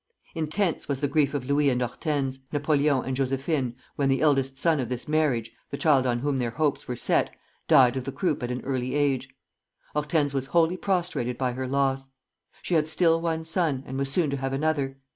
Intense was the grief of Louis and Hortense, Napoleon and Josephine, when the eldest son of this marriage, the child on whom their hopes were set, died of the croup at an early age. Hortense was wholly prostrated by her loss. She had still one son, and was soon to have another.